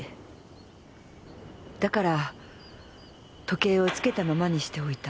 だから時計をつけたままにしておいた。